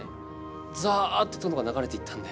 ざあって殿が流れていったんで。